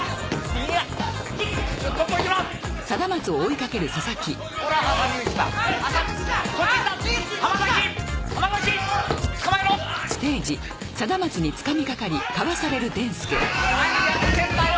何やってんだよ！